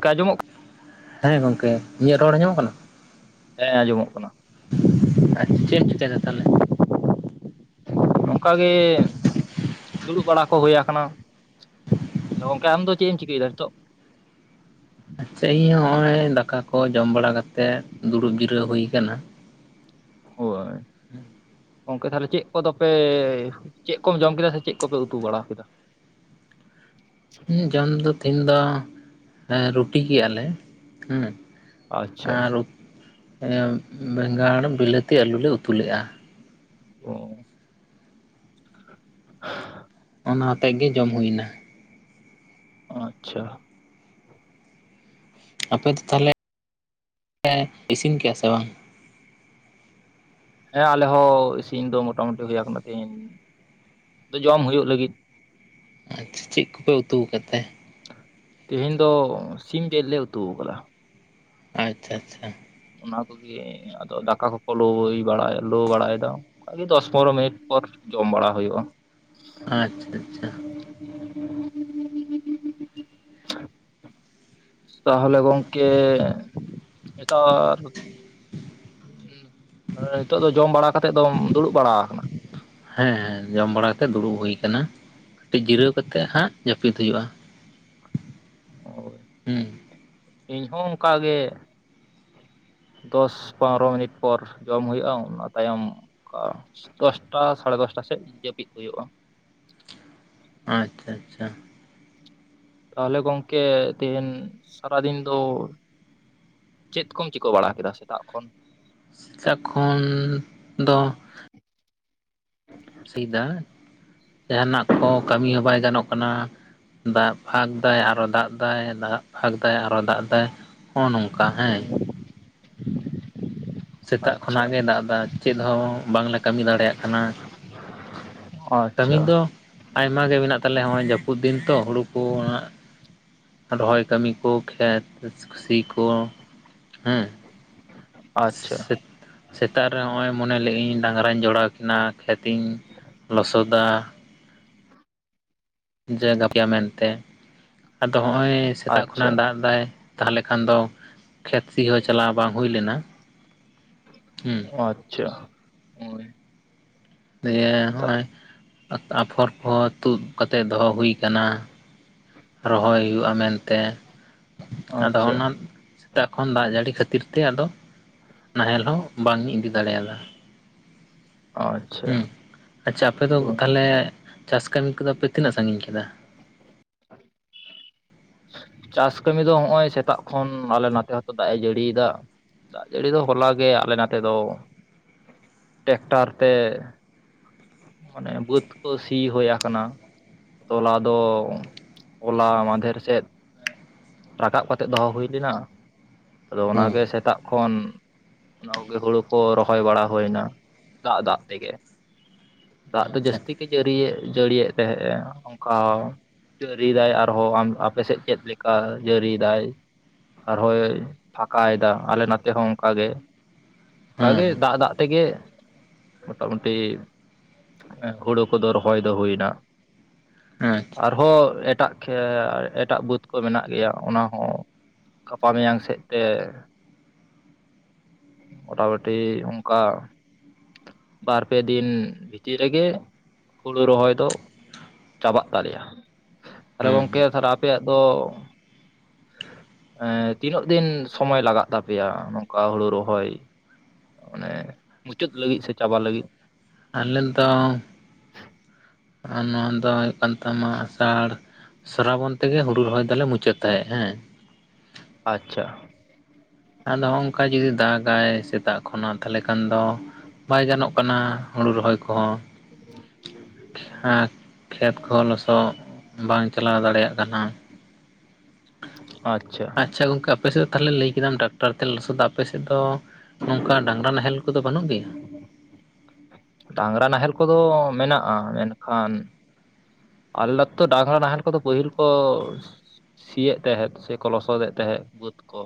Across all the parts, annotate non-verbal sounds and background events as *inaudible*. ᱠᱮ ᱟᱸᱟᱢ ᱦᱮᱸ ᱜᱚᱝᱠᱮ ᱤᱧᱟᱹᱜ ᱨᱚᱲ ᱟᱸᱢᱚᱢᱚᱜ ᱠᱟᱱᱟ? ᱦᱮᱸ ᱟᱸᱡᱚᱢᱚᱜ ᱠᱟᱱᱟ᱾ ᱟᱪᱪᱷᱟ ᱪᱮᱫ ᱪᱤᱠᱟᱹᱭ ᱫᱟ ᱛᱟᱦᱚᱞᱮ? ᱱᱚᱝᱠᱟ ᱜᱮ ᱫᱩᱲᱩᱵ ᱵᱟᱲᱟ ᱠᱚ ᱦᱩᱭ ᱟᱠᱟᱱᱟ ᱾ ᱟᱫᱚ ᱜᱚᱝᱠᱮ ᱟᱢᱫᱚ ᱪᱮᱫ ᱮᱢ ᱪᱤᱠᱟᱹᱭ ᱫᱟ ᱱᱤᱛᱳᱜ? ᱥᱮᱭ ᱦᱚᱸᱜᱼᱚᱭ ᱫᱟᱠᱟ ᱠᱚ ᱡᱚᱢ ᱵᱟᱲᱟᱠᱟᱛᱮᱫ ᱫᱩᱲᱩᱵ ᱡᱤᱨᱟᱹᱣ ᱦᱩᱭ ᱠᱟᱱᱟ᱾ ᱦᱳᱭᱼᱼ ᱦᱮᱸᱼᱼ ᱜᱚᱝᱠᱮ ᱛᱟᱦᱞᱮ ᱪᱮᱫ ᱠᱚᱫᱚᱯᱮ, ᱪᱮᱫ ᱠᱚᱢ ᱡᱚᱢ ᱠᱮᱫᱟ ᱥᱮ, ᱪᱮᱫ ᱠᱚᱯᱮ ᱩᱛᱩ ᱵᱟᱲᱟ ᱠᱮᱫᱟ? ᱦᱩᱸ ᱡᱚᱢ ᱫᱚ ᱛᱮᱦᱤᱧ ᱫᱚ ᱨᱩᱴᱤ ᱠᱮᱜ ᱟᱞᱮ, ᱦᱩᱸ ᱾ ᱟᱪᱪᱷᱟ ᱟᱨ ᱮᱸ ᱵᱮᱸᱜᱟᱲ ᱵᱤᱞᱟᱹᱛᱤ ᱟᱹᱞᱩ ᱞᱮ ᱩᱛᱩ ᱞᱮᱜᱼᱟ ᱾ ᱚᱻ ᱚᱱᱟ ᱟᱛᱮᱜ ᱜᱮ ᱡᱚᱢ ᱦᱩᱭᱱᱟ᱾ ᱟᱪᱪᱷᱟᱼᱼ ᱟᱯᱮ ᱫᱚ ᱛᱟᱦᱚᱞᱮ ᱞᱮ ᱤᱥᱤᱱ ᱠᱮᱭᱟ ᱥᱮ ᱵᱟᱝ? ᱦᱮᱸ ᱟᱞᱮ ᱦᱚᱸ ᱤᱥᱤᱱ ᱫᱚ ᱢᱚᱴᱟ ᱢᱩᱩᱴᱤ ᱦᱭᱟ ᱟᱠᱟᱱᱟ ᱾ ᱛᱤᱦᱤᱧ ᱡᱚᱢ ᱦᱩᱭᱩᱜ ᱞᱟᱹᱜᱤᱫ᱾ ᱟᱪᱪᱷᱟ ᱪᱮᱫ ᱠᱚᱯᱮ ᱩᱛᱩ ᱠᱟᱫ ᱛᱮ? ᱛᱮᱦᱮᱧ ᱫᱚ ᱥᱤᱢ ᱡᱮᱞ ᱞᱮ ᱩᱛᱩ ᱟᱠᱟᱫᱟ ᱾ ᱟᱪᱪᱷᱟ ᱟᱪᱪᱷᱟ ᱾ ᱚᱱᱟ ᱠᱚᱜᱮ ᱟᱫᱚ ᱫᱟᱠᱟ ᱠᱚᱠᱚ ᱞᱳᱭ ᱵᱟᱲᱟᱭ ᱞᱳ ᱵᱟᱲᱟᱭ ᱫᱟ ᱾ ᱚᱱᱠᱟ ᱜᱮ ᱫᱚᱥ ᱯᱚᱱᱨᱚ ᱢᱤᱱᱤᱴ ᱯᱚᱨ, ᱡᱚᱢ ᱵᱟᱲᱟ ᱦᱩᱭᱩᱜᱼᱟ ᱾ ᱟᱪᱪᱷᱟ ᱟᱪᱪᱷᱟ *unintelligible* ᱛᱟᱦᱚᱞᱮ ᱜᱚᱝᱠᱮ ᱱᱮᱛᱟᱨᱼᱼ ᱱᱤᱛᱚᱜ ᱫᱚ ᱡᱚᱢ ᱵᱟᱲᱟ ᱠᱟᱛᱮ ᱫᱚᱢ ᱫᱩᱲᱩᱵ ᱵᱟᱲᱟ ᱠᱟᱱᱟ? ᱦᱮᱸ ᱦᱮᱸ ᱡᱚᱢ ᱵᱟᱲᱟ ᱠᱟᱛᱮᱜ, ᱫᱩᱲᱩᱵ ᱦᱩᱭ ᱠᱟᱱᱟ ᱾ ᱠᱟᱹᱴᱤᱡ ᱡᱤᱨᱟᱹᱣ ᱠᱟᱛᱮᱜ ᱦᱟᱸᱜ ᱡᱟᱹᱯᱤᱫ ᱦᱩᱭᱩᱜᱼᱟ ᱦᱩᱸ ᱾ ᱤᱧᱦᱚ ᱚᱱᱠᱟᱜ ᱜᱮ ᱫᱚᱥ ᱯᱚᱱᱨᱚ ᱢᱤᱱᱤᱴ ᱯᱚᱨ ᱡᱚᱢ ᱦᱩᱭᱩᱜᱼᱟ ᱚᱱᱟ ᱛᱟᱭᱚᱢ ᱚᱱᱠᱟ ᱾ ᱫᱚᱥᱴᱟ ᱥᱟᱲᱮ ᱫᱚᱥᱴᱟ ᱥᱮᱫ ᱡᱟᱹᱯᱤᱫ ᱦᱩᱭᱩᱜᱼᱟ ᱾ ᱟᱪᱪᱷᱟ ᱟᱪᱪᱷᱟ ᱾ ᱛᱟᱦᱚᱞᱮ ᱜᱚᱝᱠᱮ ᱛᱮᱦᱮᱧ ᱥᱟᱨᱟ ᱫᱤᱱ ᱫᱚᱼᱼ ᱪᱮᱫ ᱠᱚᱢ ᱪᱤᱠᱟᱹ ᱵᱟᱲᱟ ᱠᱮᱫᱟ ᱥᱮᱛᱟᱜ ᱠᱷᱚᱱ? ᱥᱮᱛᱟᱜ ᱠᱷᱚᱱ ᱫᱚᱼᱼ ᱮᱫᱟ ᱡᱟᱦᱟᱸᱱᱟᱜ ᱠᱚ ᱠᱟᱹᱢᱤ ᱦᱚᱸ ᱵᱟᱭ ᱜᱟᱱᱚᱜ ᱠᱟᱱᱟ ᱾ ᱫᱟᱜ ᱯᱷᱟᱸᱠ ᱫᱟᱭ, ᱟᱨᱚ ᱫᱟᱜ ᱫᱟᱭ, ᱫᱟᱜ ᱯᱷᱟᱸᱠ ᱫᱟᱭ, ᱟᱨᱚ ᱫᱟᱜ ᱫᱟᱭ ᱦᱚᱸᱜᱼᱚᱭ ᱱᱚᱝᱠᱟ ᱦᱮᱸ ᱾ *inaudible* ᱥᱮᱛᱟᱜ ᱟᱪᱪᱷᱟ ᱠᱷᱚᱱᱟᱜ ᱜᱮ ᱫᱟᱜ ᱫᱟ, ᱪᱮᱫ ᱦᱚᱸ ᱵᱟᱝᱞᱮ ᱠᱟᱹᱢᱤ ᱫᱟᱲᱮᱭᱟᱜ ᱠᱟᱱᱟ ᱾ ᱟᱪᱪᱷᱟᱼᱼ ᱟᱭᱢᱟ ᱜᱮ ᱢᱮᱱᱟᱜ ᱛᱟᱞᱮᱭᱟ ᱾ ᱱᱚᱜᱼᱚᱭ ᱡᱟᱹᱯᱩᱫ ᱫᱤᱱ ᱛᱚ ᱦᱩᱲᱩ ᱠᱚᱼᱼ ᱨᱚᱦᱚᱭ ᱠᱟᱹᱢᱤ ᱠᱚ, ᱠᱷᱮᱛ ᱥᱤ ᱠᱚ ᱦᱩᱸ ᱟᱪᱪᱷᱟ ᱾ ᱥᱮᱛᱟᱜ ᱨᱮ ᱦᱚᱜᱼᱚᱭ ᱢᱚᱱᱮ ᱞᱮᱜ ᱤᱧ, ᱰᱟᱝᱨᱟᱧ ᱡᱚᱲᱟᱣ ᱠᱤᱱᱟ ᱠᱷᱮᱛ ᱤᱧ, ᱞᱚᱥᱚᱫᱟ᱾ ᱡ ᱜᱟᱯᱮᱤᱭᱟ ᱢᱮᱱᱛᱮ, ᱟᱫᱚ ᱦᱚᱸᱜᱼᱚᱭ ᱥᱮᱛᱟᱜ ᱠᱷᱚᱱᱟᱜ ᱟᱪᱪᱷᱟ ᱫᱟᱜᱫᱟᱭ, ᱛᱟᱦᱚᱞᱮ ᱠᱷᱟᱱ ᱫᱚ ᱠᱷᱮᱛ ᱥᱤ ᱦᱚᱸ ᱪᱟᱞᱣ ᱵᱟᱝ ᱦᱩᱭ ᱞᱮᱱᱟ ᱦᱩᱸᱼᱼ ᱟᱪᱪᱷᱟ ᱦᱳᱭ ᱫᱤᱭᱮ ᱦᱚᱜᱼᱚᱭ ᱟᱠᱷᱚᱨ ᱠᱚᱦᱚ, ᱛᱩᱫ ᱠᱟᱛᱮᱫ ᱫᱚᱦᱚ ᱦᱩᱭ ᱠᱟᱱᱟ ᱾ ᱨᱚᱦᱚᱭ ᱦᱩᱭᱩᱜᱼᱟ ᱢᱮᱱᱛᱮ ᱟᱫᱚ ᱟᱪᱪᱷᱟ ᱚᱱᱟᱼᱼ ᱥᱮᱛᱟᱜ ᱠᱷᱚᱱ ᱫᱟᱜ ᱡᱟᱹᱲᱤ ᱠᱷᱟᱹᱛᱤᱨ ᱛᱮ ᱟᱫᱚ ᱱᱟᱦᱮᱞ ᱦᱚᱸ ᱵᱟᱝ ᱤᱧ ᱤᱫᱤ ᱫᱟᱲᱮᱭᱟᱫᱟ ᱾ ᱟᱪᱪᱷᱟ ᱦᱸ ᱟᱪᱪᱷᱟ ᱟᱯᱮ ᱫᱚ ᱦᱳᱭ ᱛᱟᱦᱚᱞᱮ, ᱪᱟᱥ ᱠᱟᱹᱢᱤ ᱠᱚᱫᱚ ᱯᱮ ᱛᱤᱱᱟᱹᱜ ᱥᱟᱜᱤᱧ ᱠᱮᱫᱟ? ᱪᱟᱥ ᱠᱟᱹᱢᱤ ᱫᱚ ᱦᱚᱜᱼᱚᱭ ᱥᱮᱛᱟᱜ ᱠᱷᱚᱱ ᱟᱞᱮ ᱱᱛᱮ ᱦᱚᱸᱛᱚ ᱫᱟᱜ ᱮ ᱡᱟᱹᱲᱤᱭ ᱫᱟ ᱾ ᱫᱟᱜ ᱡᱟᱹᱲᱤ ᱫᱚ ᱦᱚᱞᱟᱜ ᱜᱮ ᱟᱞᱮ ᱱᱚᱛᱮ ᱫᱚ ᱴᱮᱠᱴᱟᱨ ᱛᱮᱼᱼ ᱢᱟᱱᱮ ᱵᱟᱹᱫᱽ ᱠᱚ ᱥᱤ ᱦᱳᱭ ᱟᱠᱟᱱᱟ ᱛᱚᱞᱟ ᱫᱚ ᱦᱚᱚᱞᱟ ᱢᱟᱫᱷᱮᱨ ᱥᱮᱫ ᱨᱟᱠᱟᱵ ᱠᱟᱛᱮᱫ ᱫᱚᱦᱚ ᱦᱩᱭ ᱞᱮᱱᱟ ᱟᱫᱚ ᱚᱱᱟ ᱦᱩᱸ ᱜᱮ ᱥᱮᱛᱟᱜ ᱠᱷᱚᱱ ᱚᱱᱟ ᱠᱚ ᱜᱮ ᱦᱩᱲᱩ ᱠᱚ ᱨᱚᱦᱚᱭ ᱵᱟᱲᱟ ᱦᱩᱭᱱᱟ ᱫᱟᱜ ᱫᱟᱜ ᱛᱮ ᱜᱮ ᱫᱟᱜ ᱫᱚ ᱟᱪᱪᱷᱟ ᱡᱟᱹᱥᱛᱤ ᱜᱮ ᱡᱟᱹᱲᱤᱭ ᱡᱟᱹᱲᱤᱭ ᱮᱫ ᱛᱟᱦᱮᱸᱫᱼᱟ ᱚᱱᱠᱟ ᱡᱟᱹᱨᱤᱭ ᱫᱟᱭ ᱟᱨᱦᱚᱸ ᱟᱯᱮᱥᱮᱫ ᱪᱮᱫ ᱞᱮᱠᱟ ᱡᱟᱹᱨᱤᱭ ᱫᱟᱭ ᱟᱨᱦᱚᱸᱭ ᱯᱷᱟᱠᱟᱭ ᱮᱫᱟ ᱟᱞᱮ ᱱᱛᱮ ᱦᱚᱸ ᱚᱱᱠᱟ ᱜᱮ ᱦᱩᱸ ᱚᱱᱠᱟᱜᱮ ᱫᱟᱜᱼ ᱫᱟᱜ ᱛᱮᱜᱮ ᱢᱚᱴᱟ ᱢᱩᱴᱤ ᱦᱩᱲᱩ ᱠᱚᱫᱚ ᱨᱚᱦᱚᱭ ᱫᱚ ᱦᱩᱭᱱᱟ ᱦᱮᱸ ᱟᱨᱦᱚᱸ ᱮᱴᱟᱜ ᱠᱷᱮ ᱮᱴᱟᱜ ᱵᱟᱹᱫᱽ ᱠᱚ ᱢᱮᱱᱟᱜ ᱜᱮᱭᱟ ᱚᱱᱟ ᱦᱚᱸᱼᱼ ᱜᱟᱯᱟ ᱢᱮᱭᱟᱝ ᱥᱮᱫᱛᱮ ᱾ ᱢᱳᱚᱴᱟ ᱢᱩᱴᱤ ᱚᱱᱠᱟ ᱵᱟᱨ ᱯᱮ ᱫᱤᱱ ᱵᱷᱤᱛᱤᱨ ᱨᱮ ᱜᱮ ᱦᱳᱲᱳ ᱨᱚᱦᱚᱭ ᱫᱚ ᱪᱟᱵᱟᱜ ᱛᱟᱞᱮᱭᱟ ᱛᱟᱦᱚᱞᱮ ᱦᱩᱸ ᱜᱚᱝᱠᱮ ᱦᱩᱸ ᱛᱟᱦᱚᱞᱮ ᱟᱯᱮᱭᱟᱜ ᱫᱚ ᱛᱤᱱᱟᱹᱜ ᱫᱤᱱ ᱥᱚᱢᱚᱭ ᱞᱟᱜᱟᱜ ᱛᱟᱯᱮᱭᱟ ᱱᱚᱝᱠᱟ ᱦᱳᱲᱳ ᱨᱚᱦᱚᱭ ᱚᱱᱮ ᱢᱩᱪᱟᱹᱫ ᱞᱟᱹᱜᱤᱫ ᱥᱮ ᱪᱟᱵᱟ ᱞᱟᱹᱜᱤᱫ ᱟᱨᱮᱞ ᱫᱚ ᱟᱨ ᱱᱚᱣᱟ ᱫᱚ ᱦᱩᱭᱩᱜ ᱠᱟᱱ ᱛᱟᱢᱟ ᱟᱥᱟᱲ ᱥᱨᱟᱵᱚᱱ ᱛᱮᱜᱮ ᱦᱩᱲᱩ ᱨᱚᱦᱚᱭ ᱫᱚᱞᱮ ᱢᱩᱪᱟᱹᱫ ᱛᱟᱦᱮᱸᱜ ᱦᱮᱸ ᱟᱪᱪᱷᱟ ᱟᱫᱚ ᱱᱚᱝᱠᱟ ᱡᱩᱫᱤ ᱫᱟᱜᱟᱭ ᱥᱮᱛᱟᱜ ᱠᱷᱚᱱᱟᱜ ᱛᱟᱦᱚᱞᱮ ᱠᱷᱟᱱ ᱫᱚ ᱵᱟᱭ ᱜᱟᱱᱚᱜ ᱠᱟᱱᱟ ᱦᱳᱲᱳ ᱨᱚᱦᱚᱭ ᱠᱚ ᱦᱚᱸ ᱠᱷᱮᱛ ᱠᱚᱦᱚᱸ ᱞᱚᱥᱚᱫ ᱵᱟᱝ ᱪᱟᱞᱟᱣ ᱫᱟᱲᱮᱭᱟᱜ ᱠᱟᱱᱟ ᱟᱪᱪᱷᱟ ᱟᱪᱪᱷᱟ ᱜᱚᱝᱠᱮ ᱟᱯᱮ ᱥᱮᱫ ᱫᱚ ᱛᱟᱦᱚᱞᱮ ᱞᱟᱹᱭ ᱠᱮᱫᱟᱢ ᱴᱨᱟᱠᱴᱚᱨ ᱛᱮ ᱞᱚᱥᱚᱫᱟ ᱟᱯᱮᱥᱮᱫ ᱫᱚ ᱱᱚᱝᱠᱟ ᱰᱟᱝᱨᱟ ᱱᱟᱦᱮᱞ ᱠᱚ ᱫᱚ ᱵᱟᱹᱱᱩᱜ ᱜᱮᱭᱟ? *inaudible* ᱰᱟᱝᱨᱟ ᱱᱟᱦᱮᱞ ᱠᱚᱫᱚ ᱢᱮᱱᱟᱜᱼᱟ ᱢᱮᱱᱠᱷᱟᱱ ᱟᱞᱟ *unintelligible* ᱛᱚ ᱰᱟᱝᱨᱟ ᱱᱟᱦᱮᱞ ᱠᱚ ᱫᱚ ᱯᱟᱹᱦᱤᱞ ᱠᱚ ᱥᱤᱭᱮᱫ ᱛᱟᱦᱮᱸᱫ ᱥᱮ ᱠᱚ ᱞᱚᱥᱚᱫ ᱮᱫ ᱛᱟᱦᱮᱸᱫ ᱵᱟᱹᱫᱽ ᱠᱚ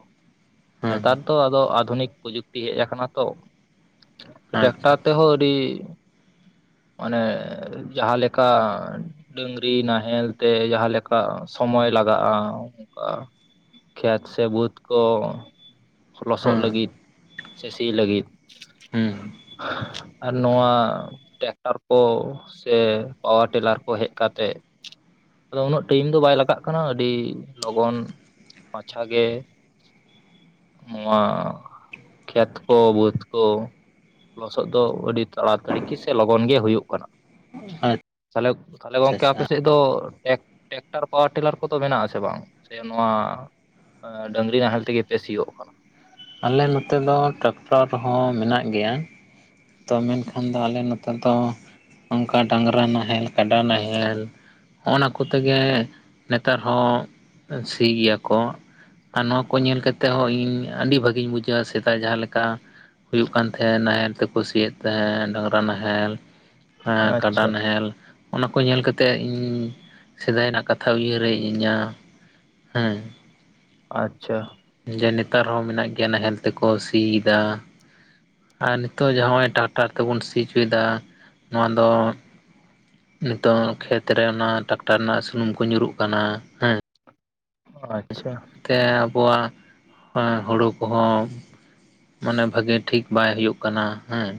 ᱦᱮᱸ ᱱᱮᱛᱟᱨ ᱫᱚ ᱟᱫᱚ ᱟᱫᱷᱩᱱᱤᱠ ᱯᱨᱚᱡᱩᱠᱛᱤ ᱦᱮᱡ ᱟᱠᱟᱱᱟ ᱛᱚ ᱟᱪᱪᱷᱟ ᱴᱨᱮᱠᱴᱚᱨ ᱛᱮ ᱟᱪᱪᱷᱟ ᱦᱚᱸ ᱥᱤ ᱢᱟᱱᱮ ᱡᱟᱦᱟ ᱞᱮᱠᱟᱱ ᱰᱟᱹᱝᱨᱤ ᱱᱟᱦᱮᱞ ᱛᱮ ᱡᱟᱦᱟᱸᱮ ᱞᱮᱠᱟ ᱥᱚᱢᱚᱭ ᱞᱟᱜᱟᱜᱼᱟ ᱚᱱᱠᱟ ᱠᱷᱮᱛ ᱥᱮ ᱵᱟᱹᱫᱽ ᱠᱚ ᱞᱚᱥᱚᱜ ᱦᱮᱸ ᱞᱟᱹᱜᱤᱫ ᱥᱮ ᱥᱤ ᱞᱟᱹᱜᱤᱫ ᱦᱮᱸ ᱱᱚᱣᱟ ᱴᱨᱮᱠᱴᱚᱨ ᱠᱚ ᱥᱮ ᱯᱟᱣᱟᱨ ᱴᱤᱞᱟᱨ ᱠᱚ ᱦᱮᱡ ᱠᱟᱛᱮ ᱟᱫᱚ ᱩᱱᱟᱹᱜ ᱴᱟᱭᱤᱢ ᱫᱚ ᱵᱟᱭ ᱞᱟᱜᱟᱜ ᱠᱟᱱᱟ ᱟᱹᱰᱤ ᱞᱚᱜᱚᱱ ᱢᱟᱪᱷᱟ ᱜᱮ ᱱᱚᱣᱟ ᱠᱷᱮᱛ ᱠᱚ ᱵᱟᱹᱫᱽ ᱠᱚ ᱞᱚᱥᱚᱫ ᱫᱚ ᱟᱹᱰᱤ ᱛᱟᱲᱟ ᱛᱟᱲᱤ ᱜᱤ ᱥᱮ ᱞᱚᱜᱚᱱ ᱜᱮ ᱦᱳᱭᱳᱜ ᱠᱟᱱᱟ ᱛᱟᱦᱚᱞᱮ ᱛᱟᱦᱚᱞᱮ ᱟᱪᱪᱷᱟ ᱜᱚᱝᱠᱮ ᱟᱪᱪᱷᱟ ᱟᱯᱮ ᱥᱮᱫ ᱫᱚ ᱴᱮᱠ ᱴᱮᱠᱴᱟᱨ ᱯᱟᱣᱟᱨ ᱴᱤᱞᱟᱨ ᱠᱚ ᱫᱚ ᱢᱮᱱᱟᱜ ᱟᱥᱮ ᱵᱟᱝ ᱥᱮ ᱱᱚᱣᱟ ᱮᱸ ᱰᱟᱹᱝᱨᱤ ᱱᱟᱦᱮᱞ ᱛᱮ ᱜᱮ ᱯᱮ ᱥᱤᱭᱳᱜ ᱠᱟᱱᱟ ᱟᱞᱮ ᱱᱚᱛᱮ ᱫᱚ ᱴᱨᱮᱠᱴᱚᱨ ᱦᱚᱸ ᱢᱮᱱᱟᱜ ᱜᱮᱭᱟ ᱛᱚ ᱢᱮᱱᱠᱷᱟᱱ ᱫᱚ ᱟᱞᱮ ᱱᱚᱛᱮ ᱫᱚ ᱚᱱᱠᱟ ᱰᱟᱝᱨᱟ ᱱᱟᱦᱮᱞ ᱠᱟᱰᱟ ᱱᱟᱦᱮᱞ ᱦᱚᱸᱜᱼᱚ ᱱᱟ ᱠᱚᱛᱮ ᱜᱮ ᱱᱮᱛᱟᱨ ᱦᱚᱸ ᱥᱤ ᱜᱮᱭᱟ ᱠᱚ ᱟᱨ ᱱᱚᱣᱟ ᱠᱚ ᱧᱮᱞ ᱠᱟᱛᱮᱫ ᱦᱚᱸ ᱤᱧ ᱟᱹᱰᱤ ᱵᱷᱟᱹᱜᱤᱧ ᱵᱩᱡᱷᱟᱹᱣᱟ ᱥᱮᱫᱟᱭ ᱡᱟᱦᱟᱸ ᱞᱮᱠᱟ ᱦᱩᱭᱩᱜ ᱠᱟᱱ ᱛᱟᱦᱮᱸᱫ ᱱᱟᱦᱮᱞ ᱛᱮ ᱠᱚ ᱥᱤᱭᱮᱫ ᱛᱟᱦᱮᱸᱱ ᱰᱟᱝᱨᱟ ᱱᱟᱦᱮᱞ ᱦᱮᱸ ᱠᱟᱰᱟ ᱟᱪᱪᱷᱟ ᱱᱟᱦᱮᱞ ᱚᱱᱟ ᱠᱚ ᱧᱮᱞ ᱠᱟᱛᱮᱜ ᱤᱧ ᱥᱮᱫᱟᱭ ᱨᱮᱱᱟᱜ ᱠᱟᱛᱷᱟ ᱩᱭᱦᱟᱹᱨ ᱦᱮᱡ ᱤᱧᱟᱹ ᱟᱪᱪᱷᱟ ᱡᱮ ᱱᱮᱛᱟᱨ ᱦᱚᱸ ᱢᱮᱱᱟᱜ ᱜᱮᱭᱟ ᱱᱟᱦᱮᱞ ᱛᱮᱠᱚ ᱥᱤᱭ ᱫᱟ ᱟᱨ ᱱᱤᱛᱚᱜ ᱡᱮ ᱦᱚᱸ ᱚᱭ ᱴᱨᱟᱠᱴᱟᱨ ᱛᱮᱵᱚᱱ ᱥᱤ ᱚᱪᱚᱭᱫᱟ ᱱᱚᱣᱟ ᱫᱚ ᱱᱤᱛᱚᱜ ᱠᱷᱮᱛᱨᱮ ᱚᱱᱟ ᱴᱨᱟᱠᱴᱟᱨ ᱨᱮᱱᱟᱜ ᱥᱩᱱᱩᱢ ᱠᱚ ᱧᱩᱨᱩᱜ ᱠᱟᱱᱟ ᱦᱮᱸ ᱟᱪᱪᱷᱟ ᱛᱮ ᱟᱵᱚᱣᱟᱜ ᱟᱸ ᱦᱩᱲᱩ ᱠᱚᱦᱚᱸ ᱢᱟᱱᱮ ᱵᱷᱟᱜᱮ ᱴᱷᱤᱠ ᱵᱟᱭ ᱦᱩᱭᱩᱜ ᱠᱟᱱᱟ ᱦᱮᱸ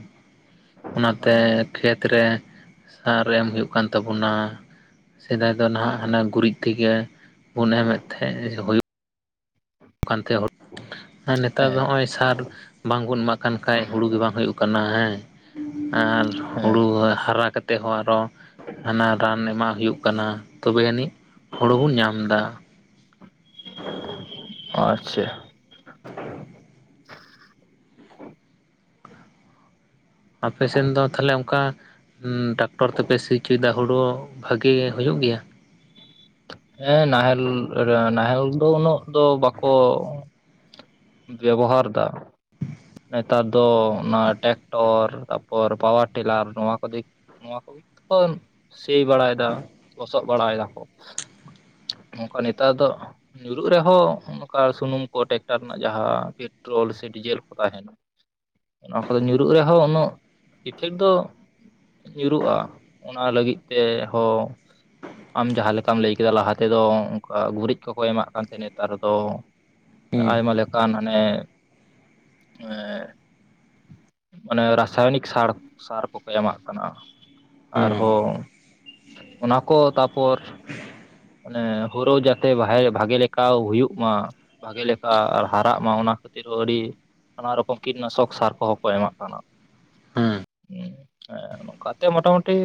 ᱚᱱᱟᱛᱮ ᱦᱮᱸ ᱠᱷᱮᱛ ᱨᱮ ᱥᱟᱨ ᱮᱢ ᱦᱩᱭᱩᱜ ᱠᱟᱱ ᱛᱟᱵᱚᱱᱟ ᱥᱮᱫᱟᱭ ᱫᱚ ᱱᱟᱦᱟᱜ ᱦᱟᱱᱟ ᱜᱩᱨᱤᱡ ᱛᱮᱜᱮ ᱵᱚᱱ ᱮᱢᱮᱫ ᱛᱟᱦᱮᱸᱜ ᱦᱩᱭᱩᱜ ᱠᱟᱱ ᱛᱟᱦᱮᱸ ᱟᱨ ᱱᱮᱛᱟᱨ ᱫᱚ ᱦᱮᱸ ᱱᱚᱜᱼᱚᱭ ᱥᱟᱨ ᱵᱟᱝᱵᱚᱱ ᱮᱢᱟᱜ ᱠᱟᱱ ᱠᱷᱟᱡ ᱦᱩᱲᱩ ᱜᱮ ᱵᱟᱝ ᱦᱩᱭᱩᱜ ᱠᱟᱱᱟ ᱦᱮᱸ ᱟᱨ ᱦᱮᱸ ᱦᱩᱲᱩ ᱦᱟᱨᱟ ᱠᱟᱛᱮᱫ ᱦᱚᱸ ᱟᱨᱚ ᱦᱟᱱᱟ ᱨᱟᱱ ᱮᱢᱟᱜ ᱦᱩᱭᱩᱜ ᱠᱟᱱᱟ ᱛᱚᱵᱮ ᱟᱹᱱᱤᱡ ᱦᱳᱲᱳ ᱵᱚᱱ ᱧᱟᱢ ᱮᱫᱟ ᱟᱪᱪᱷᱟ ᱟᱯᱮᱥᱮᱱ ᱫᱚ ᱛᱟᱦᱚᱞᱮ ᱚᱱᱠᱟ ᱴᱟᱠᱴᱚᱨ ᱛᱮᱯᱮ ᱥᱤ ᱠᱮᱫᱟ ᱦᱩᱲᱩ ᱵᱷᱟᱜᱮ ᱦᱩᱭᱩᱜ ᱜᱮᱭᱟ ᱦᱮᱸ ᱱᱟᱦᱮᱞ ᱱᱟᱦᱮᱞ ᱫᱚ ᱩᱱᱟᱹᱜ ᱫᱚ ᱵᱟᱠᱚ ᱵᱮᱵᱚᱦᱟᱨ ᱫᱟ ᱱᱮᱛᱟᱨ ᱫᱚ ᱚᱱᱟ ᱴᱮᱠᱴᱚᱨ ᱛᱟᱯᱚᱨ ᱯᱟᱣᱟᱨ ᱴᱤᱞᱟᱨ ᱱᱚᱣᱟ ᱠᱚ ᱫᱤᱠ ᱱᱚᱣᱟ ᱠᱚᱜᱮᱛᱚ ᱥᱤ ᱵᱟᱲᱟᱭᱮᱫᱟ ᱞᱚᱥᱚᱫ ᱵᱟᱲᱟᱭ ᱫᱟᱠᱚ ᱱᱚᱝᱠᱟ ᱱᱮᱛᱟᱨ ᱫᱚ ᱧᱩᱨᱩᱜ ᱨᱮᱦᱚᱸ ᱱᱚᱝᱠᱟ ᱥᱩᱱᱩᱢ ᱠᱚ ᱴᱮᱠᱴᱟᱨ ᱨᱮᱱᱟᱜ ᱡᱟᱦᱟᱸ ᱯᱮᱴᱨᱳᱞ ᱥᱮ ᱰᱤᱡᱮᱞ ᱠᱚ ᱛᱟᱦᱮᱱᱟ ᱚᱱᱟ ᱠᱚᱫᱚ ᱧᱩᱨᱩᱜ ᱨᱮᱦᱚᱸ ᱩᱱᱟᱹᱜ ᱤᱯᱷᱮᱠ ᱫᱚ ᱧᱩᱨᱩᱜᱼᱟ ᱚᱱᱟ ᱞᱟᱹᱜᱤᱫ ᱛᱮᱦᱚᱸ ᱟᱢ ᱡᱟᱦᱟᱸ ᱞᱮᱠᱟᱢ ᱞᱟᱹᱭ ᱠᱮᱫᱟ ᱞᱟᱦᱟ ᱛᱮᱫᱚ ᱚᱱᱠᱟ ᱜᱩᱨᱤᱡ ᱠᱚᱠᱚ ᱮᱢᱟᱜ ᱠᱟᱱ ᱛᱟᱦᱮᱸ ᱱᱮᱛᱟᱨ ᱫᱚ ᱦᱩᱸ ᱟᱭᱢᱟ ᱞᱮᱠᱟᱱ ᱦᱟᱱᱮ ᱢᱟᱱᱮ ᱨᱟᱥᱟᱭᱚᱱᱤᱠ ᱥᱟᱨ ᱥᱟᱨ ᱠᱚᱠᱚ ᱮᱢᱟᱜ ᱠᱟᱱᱟ ᱦᱩᱸ ᱟᱨᱦᱚᱸ ᱚᱱᱟ ᱠᱚ ᱛᱟᱨᱯᱚᱨ ᱚᱱᱮ ᱦᱩᱲᱩ ᱡᱟᱛᱮ ᱵᱷᱟᱜᱮ ᱞᱮᱠᱟ ᱦᱩᱭᱩᱜ ᱢᱟ ᱵᱷᱟᱜᱮ ᱟᱨ ᱦᱟᱨᱟᱜ ᱢᱟ ᱚᱱᱟ ᱠᱷᱟᱹᱛᱤᱨ ᱦᱚᱸ ᱟᱹᱰᱤ ᱱᱟᱱᱟ ᱨᱚᱠᱚᱢ ᱠᱤᱴᱱᱟᱥᱚᱠ ᱥᱟᱨ ᱠᱚᱦᱚᱸ ᱠᱚ ᱮᱢᱟᱜ ᱠᱟᱱᱟ ᱦᱩᱸ ᱦᱮᱸ ᱱᱚᱝᱠᱟᱛᱮ ᱢᱳᱴᱟᱢᱩᱴᱤ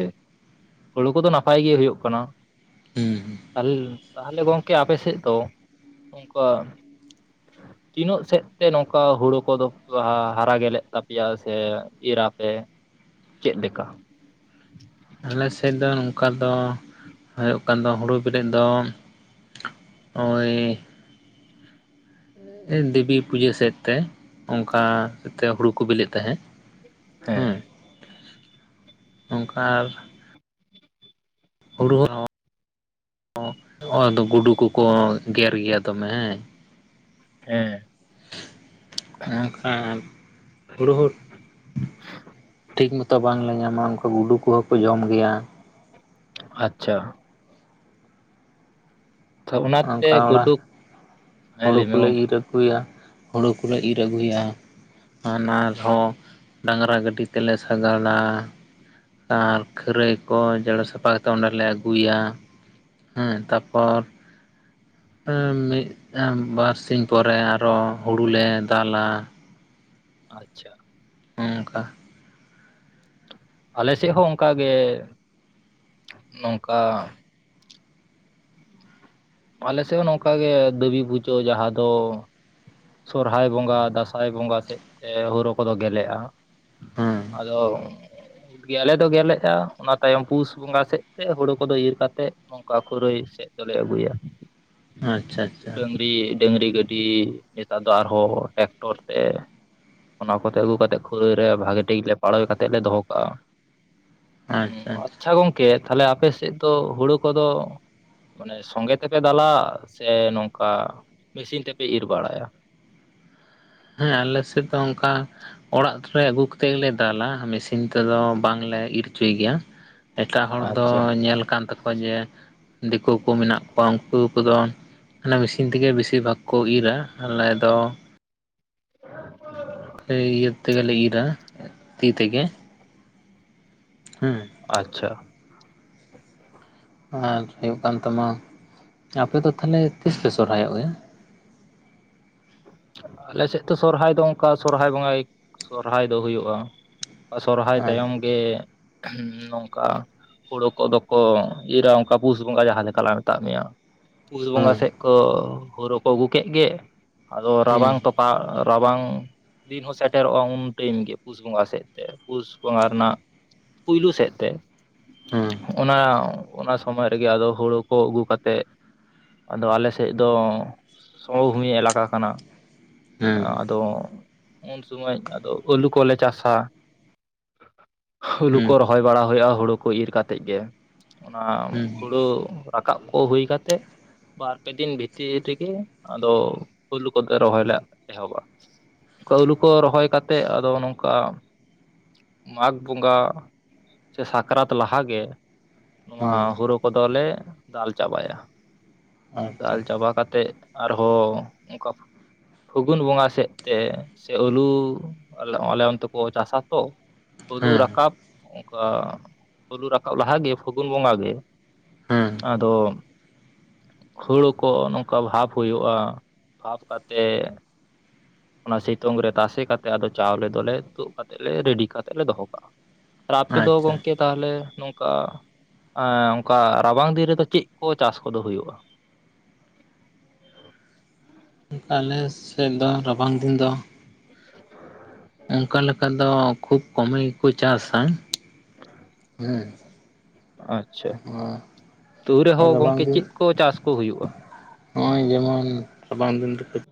ᱦᱩᱲᱩ ᱠᱚᱫᱚ ᱱᱟᱯᱟᱭ ᱜᱮ ᱦᱩᱭᱩᱜ ᱠᱟᱱᱟ ᱦᱩᱸ ᱦᱩᱸ ᱯᱟᱦᱩᱞᱤᱞ ᱛᱟᱦᱚᱞᱮ ᱜᱚᱝᱠᱮ ᱟᱯᱮᱥᱮᱫ ᱫᱚ ᱚᱱᱠᱟ ᱛᱤᱱᱟᱹᱜ ᱥᱮᱫ ᱛᱮ ᱱᱚᱝᱠᱟ ᱦᱩᱲᱩ ᱠᱚᱫᱚ ᱦᱟᱨᱟ ᱜᱮᱞᱮᱜ ᱛᱟᱯᱮᱭᱟ ᱥᱮ ᱤᱨᱟ ᱮ ᱪᱮᱫ ᱞᱮᱠᱟ ᱟᱞᱮ ᱥᱮᱫ ᱫᱚ ᱱᱚᱝᱠᱟ ᱫᱚ ᱦᱩ ᱚᱠᱟ ᱫᱚ ᱦᱩᱲᱩ ᱵᱮᱞᱮᱜ ᱫᱚ ᱳᱭ ᱫᱮᱵᱤ ᱯᱩᱡᱟᱹ ᱥᱮᱫ ᱛᱮ ᱚᱱᱠᱟ ᱛᱮ ᱦᱩᱲᱩ ᱠᱚ ᱵᱤᱞᱤᱮᱜ ᱛᱟᱦᱮᱸᱫ ᱦᱮᱸ ᱦᱩᱸ ᱱᱚᱝᱠᱟ ᱦᱩᱲᱩ *unintelligible* ᱦᱚᱸ ᱚᱫ ᱜᱩᱰᱩ ᱠᱚᱠᱚ ᱜᱮᱨ ᱜᱮᱭᱟ ᱫᱚᱢᱮ ᱮᱸ ᱮᱱᱠᱷᱟᱱ ᱦᱩᱲᱩ ᱦᱩ ᱴᱷᱤᱠ ᱢᱚᱛᱚ ᱵᱟᱝᱞᱮ ᱧᱟᱢᱟ ᱚᱱᱠᱟ ᱜᱩᱰᱩ ᱠᱚᱦᱚᱸ ᱠᱚ ᱡᱚᱢ ᱜᱮᱭᱟ ᱟᱪᱪᱷᱟ ᱛ ᱚᱱᱟᱛᱮ ᱚᱱᱠᱟ ᱚᱲᱟᱜ ᱜᱩᱰᱩ ᱠ ᱦᱳᱲᱳ ᱠᱚᱞᱮ ᱤᱨ ᱟᱹᱜᱩᱭᱟ ᱦᱳᱲᱳ ᱠᱚᱞᱮ ᱤᱨ ᱟᱹᱜᱩᱭᱟ ᱟᱨᱦᱚᱸ ᱰᱟᱝᱨᱟ ᱜᱟᱹᱰᱤ ᱛᱮᱞᱮ ᱥᱟᱜᱟᱲᱟ ᱟᱨ ᱠᱷᱟᱹᱨᱟᱹᱭ ᱠᱚ ᱡᱮᱨᱮᱲ ᱥᱟᱯᱷᱟ ᱠᱟᱛᱮ ᱚᱸᱰᱮᱞᱮ ᱟᱹᱜᱩᱭᱟ ᱦᱩᱸ ᱛᱟᱯᱚᱨ ᱢᱤᱫ ᱵᱟᱨᱥᱤᱧ ᱯᱚᱨᱮ ᱟᱨᱚ ᱦᱩᱲᱩ ᱞᱮ ᱫᱟᱞᱟ ᱟᱪᱪᱷᱟ ᱚᱱᱠᱟ ᱟᱞᱮ ᱥᱮᱫ ᱦᱚᱸ ᱚᱱᱠᱟᱜ ᱜᱮ ᱱᱚᱝᱠᱟ ᱟᱞᱮ ᱥᱮᱫ ᱦᱚᱸ ᱱᱚᱝᱠᱟᱜᱮ ᱫᱟᱹᱵᱤ ᱯᱩᱡᱟᱹ ᱡᱟᱦᱟᱸ ᱫᱚ ᱥᱚᱨᱦᱟᱭ ᱵᱚᱸᱜᱟ ᱫᱟᱸᱥᱟᱭ ᱵᱚᱸᱜᱟ ᱥᱮᱫ ᱛᱮ ᱦᱩᱲᱳ ᱠᱚᱫᱚ ᱜᱮᱞᱮᱜᱼᱟ ᱦᱮᱸ ᱟᱫᱚ ᱜᱮᱞᱮ ᱫᱚ ᱜᱮᱞᱮᱜᱼᱟ ᱚᱱᱟ ᱛᱟᱭᱚᱢ ᱯᱩᱥ ᱵᱚᱸᱜᱟ ᱥᱮᱫ ᱛᱮ ᱦᱳᱲᱳ ᱠᱚᱫᱚ ᱤᱨ ᱠᱟᱛᱮᱫ ᱱᱚᱝᱠᱟ ᱠᱷᱟᱨᱟᱹᱭ ᱥᱮᱫ ᱫᱚᱞᱮ ᱟᱹᱜᱩᱭᱟ ᱟᱪᱪᱷᱟ ᱟᱪᱪᱷᱟ ᱰᱟᱹᱝᱨᱤ ᱰᱟᱹᱝᱨᱤ ᱜᱟᱹᱰᱤ ᱱᱮᱛᱟᱨ ᱫᱚ ᱟᱨᱦᱚᱸ ᱴᱮᱠᱴᱚᱨ ᱛᱮ ᱚᱱᱟ ᱠᱚᱛᱮ ᱟᱹᱜᱩ ᱠᱟᱛᱮᱫ ᱠᱷᱟᱹᱨᱟᱹᱭ ᱨᱮ ᱵᱷᱟᱜᱮ ᱴᱷᱤᱠ ᱞᱮ ᱯᱟᱲᱹᱚᱭ ᱠᱟᱛᱮᱫ ᱞᱮ ᱫᱚᱦᱚ ᱠᱟᱜᱼᱟ ᱟᱪᱪᱷᱟ ᱜᱚᱝᱠᱮ ᱛᱟᱦᱞᱮ ᱟᱯᱮ ᱥᱮᱫ ᱫᱚ ᱦᱳᱲᱳ ᱠᱚᱫᱚ ᱢᱟᱱᱮ ᱥᱚᱸᱜᱮ ᱛᱮᱯᱮ ᱫᱟᱞᱟ ᱥᱮ ᱱᱚᱝᱠᱟ ᱢᱮᱥᱤᱱ ᱛᱮᱯᱮ ᱤᱨ ᱵᱟᱲᱟᱭᱟ ᱦᱮᱸ ᱟᱞᱮ ᱥᱮᱫ ᱫᱚ ᱚᱱᱠᱟ ᱚᱲᱟᱜ ᱨᱮ ᱟᱹᱜᱩ ᱠᱟᱛᱮᱫ ᱜᱮᱞᱮ ᱫᱟᱞᱟ ᱢᱮᱥᱤᱱ ᱛᱮᱫᱚ ᱵᱟᱝᱞᱮ ᱤᱨ ᱚᱪᱚᱭ ᱜᱮᱭᱟ ᱮᱴᱟᱜ ᱦᱚᱲ ᱫᱚ ᱟᱪᱪᱷᱟ ᱧᱮᱞ ᱠᱟᱱ ᱛᱟᱠᱚᱣᱟ ᱡᱮ ᱫᱤᱠᱳ ᱠᱚ ᱢᱮᱱᱟᱜ ᱠᱚᱣᱟ ᱩᱱᱠᱩ ᱠᱚᱫᱚ ᱚᱱᱮ ᱢᱤᱥᱤᱱ ᱛᱮᱜᱮ ᱵᱤᱥᱤᱨ ᱵᱷᱟᱜᱽ ᱠᱚ ᱤᱨᱼᱟ ᱟᱞᱮ ᱫᱚ *unintelligible* ᱤᱭᱟᱹ ᱛᱮᱜᱮ ᱞᱮ ᱤᱨᱟ ᱛᱤ ᱛᱮᱜᱮ ᱦᱮᱸ ᱟᱪᱪᱷᱟ ᱟᱨ ᱦᱩᱭᱩᱜ ᱠᱟᱱ ᱛᱟᱢᱟ ᱟᱯᱮ ᱫᱚ ᱛᱟᱞᱦᱮ ᱛᱤᱥ ᱯᱮ ᱥᱚᱨᱦᱟᱭ ᱚᱜ ᱜᱮᱭᱟ ᱟᱞᱮᱥᱮᱫ ᱫᱚ ᱥᱚᱨᱦᱟᱭ ᱫᱚ ᱚᱱᱠᱟ ᱥᱚᱨᱦᱟᱭ ᱵᱚᱸᱜᱟ ᱥᱚᱨᱦᱟᱭ ᱫᱚ ᱦᱩᱭᱩᱜᱼᱟ ᱥᱚᱨᱦᱟᱭ ᱦᱮᱸ ᱛᱟᱭᱚᱢ ᱜᱮ ᱱᱚᱝᱠᱟ ᱦᱳᱲᱳ ᱠᱚᱫᱚ ᱠᱚ ᱤᱨᱼᱟ ᱚᱱᱠᱟ ᱯᱩᱥ ᱵᱚᱸᱜᱟ ᱡᱟᱦᱟᱸ ᱞᱮᱠᱟ ᱞᱟ ᱢᱮᱛᱟᱜ ᱢᱮᱭᱟ ᱯᱩᱥ ᱵᱚᱸᱜᱟ ᱦᱮᱸ ᱥᱮᱫ ᱠᱚ ᱦᱳᱲᱳ ᱠᱚ ᱟᱹᱜᱩ ᱠᱮᱫ ᱜᱮ ᱟᱫᱚ ᱦᱮᱸ ᱨᱟᱵᱟᱝ ᱛᱚ ᱨᱟᱵᱟᱝ ᱫᱤᱱ ᱦᱚᱸ ᱥᱮᱴᱮᱨᱚᱜᱼᱟ ᱩᱱ ᱴᱟᱭᱤᱢ ᱜᱮ ᱯᱩᱥ ᱵᱚᱸᱜᱟ ᱥᱮᱫ ᱛᱮ ᱯᱩᱥ ᱵᱚᱸᱜᱟ ᱨᱮᱱᱟᱜ ᱯᱩᱭᱞᱩ ᱥᱮᱫ ᱛᱮ ᱦᱮᱸ ᱚᱱᱟ ᱚᱱᱟ ᱥᱚᱢᱚᱭ ᱨᱮᱜᱮ ᱟᱫᱚ ᱦᱳᱲᱳ ᱠᱚ ᱟᱹᱜᱩ ᱠᱟᱛᱮᱜ ᱟᱫᱚ ᱟᱞᱮ ᱥᱮᱫ ᱫᱚ ᱥᱚᱢᱚᱵᱷᱩᱢᱤ ᱮᱞᱟᱠᱟ ᱠᱟᱱᱟ ᱦᱮᱸ ᱟᱫᱚ ᱩᱱ ᱥᱚᱢᱚᱭ ᱟᱫᱚ ᱟᱹᱞᱩ ᱠᱚᱞᱮ ᱪᱟᱥᱟ ᱟᱹᱞᱩ ᱦᱮᱸ ᱠᱚ ᱨᱚᱦ ᱨᱚᱦᱚᱭ ᱵᱟᱲᱟ ᱦᱳᱭᱳᱜᱼᱟ ᱦᱳᱲᱳ ᱠᱚ ᱤᱨ ᱠᱟᱛᱮᱫ ᱜᱮ ᱚᱱᱟ ᱦᱮᱸ ᱦᱳᱲᱳ ᱨᱟᱠᱟᱵ ᱠᱚ ᱦᱩᱭ ᱠᱟᱛᱮᱫ ᱵᱟᱨᱯᱮ ᱫᱤᱱ ᱵᱷᱤᱛᱤᱨ ᱨᱮᱜᱮ ᱟᱫᱚ ᱟᱹᱞᱩ ᱠᱚᱜᱮ ᱨᱚᱦᱚᱭ ᱞᱮ ᱮᱦᱚᱵᱼᱟ ᱟᱹᱞᱩ ᱠᱚ ᱨᱚᱦᱚᱭ ᱠᱟᱛᱮᱫ ᱟᱫᱚ ᱱᱚᱝᱠᱟ ᱢᱟᱜᱽ ᱵᱚᱸᱜᱟ ᱥᱮ ᱥᱟᱠᱨᱟᱛ ᱞᱟᱦᱟ ᱜᱮ ᱱᱚᱣᱟ ᱦᱮᱸ ᱦᱳᱲᱳ ᱠᱚᱫᱚᱞᱮ ᱫᱟᱞ ᱪᱟᱵᱟᱭᱟ ᱫᱟᱞ ᱟᱪᱪᱷᱟ ᱪᱟᱵᱟ ᱠᱟᱛᱮᱫ ᱟᱨᱦᱚᱸ ᱚᱱᱠᱟ ᱯᱷᱟᱹᱜᱩᱱ ᱵᱚᱸᱜᱟ ᱥᱮᱫ ᱛᱮ ᱥᱮ ᱟᱹᱞᱩ ᱟᱞᱮ ᱚᱱᱛᱮ ᱠᱚ ᱪᱟᱥᱟ ᱛᱚ ᱟᱹᱞᱩ ᱦᱮᱸ ᱨᱟᱠᱟᱵ ᱚᱱᱠᱟ ᱟᱹᱞᱩ ᱨᱟᱠᱟᱵ ᱞᱟᱦᱟ ᱜᱮ ᱯᱷᱟᱹᱜᱩᱱ ᱵᱚᱸᱜᱟ ᱜᱮ ᱦᱮᱸ ᱟᱫᱚ ᱦᱳᱲᱳ ᱠᱚ ᱱᱚᱝᱠᱟ ᱵᱷᱟᱯ ᱦᱩᱭᱩᱜᱼᱟ ᱵᱷᱟᱯ ᱠᱟᱛᱮ ᱚᱱᱟ ᱥᱤᱛᱩᱝ ᱨᱮ ᱛᱟᱥᱮ ᱠᱟᱛᱮ ᱟᱫᱚ ᱪᱟᱣᱞᱮ ᱫᱚᱞᱮ ᱛᱩᱫ ᱠᱟᱛᱮ ᱨᱮᱰᱤ ᱠᱟᱛᱮᱫ ᱞᱮ ᱫᱚᱦᱚ ᱠᱟᱜᱼᱟ ᱟᱨ ᱟᱯᱮ ᱫᱚ ᱟᱪᱪᱷᱟ ᱜᱚᱝᱠᱮ ᱛᱟᱦᱚᱞᱮ ᱱᱚᱝᱠᱟ *inaudible* ᱨᱟᱵᱟᱝ ᱫᱤᱱ ᱨᱮᱫᱚ ᱪᱮᱫ ᱠᱚ ᱪᱟᱥ ᱠᱚᱫᱚ ᱦᱩᱭᱩᱜᱼᱟ ᱟᱞᱮ ᱥᱮᱫ ᱫᱚ ᱨᱟᱵᱟᱝ ᱫᱤᱱ ᱫᱚ ᱚᱱᱠᱟ ᱞᱮᱠᱟ ᱫᱚ ᱠᱷᱩᱵ ᱠᱚᱢᱮ ᱜᱮᱠᱚ ᱪᱟᱥ-ᱟ ᱟᱪᱪᱷᱟ ᱛᱩᱹᱣ ᱨᱮᱦᱚᱸ ᱨᱟᱵᱟᱝ ᱜᱚᱝᱠᱮ ᱫᱤᱱ ᱪᱮᱫ ᱠᱚ ᱪᱟᱥ ᱠᱚ ᱦᱩᱭᱩᱜᱼᱟ ᱱᱚᱜᱼᱚᱭ ᱡᱮᱢᱚᱱ ᱨᱟᱵᱟᱝ ᱫᱤᱱ ᱫᱚᱠᱚ